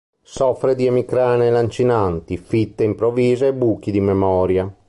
Soffre di emicranie lancinanti, fitte improvvise e buchi di memoria.